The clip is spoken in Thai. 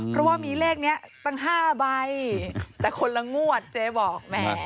เพราะว่ามีเลขนี้ตั้ง๕ใบแต่คนละงวดเจ๊บอกแหม